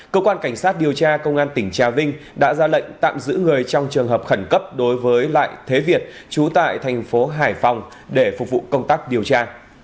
cơ quan cảnh sát điều tra công an tỉnh trà vinh đã ra lệnh tạm giữ người trong trường hợp khẩn cấp đối với lại thế việt trú tại thành phố hải phòng để phục vụ công tác điều tra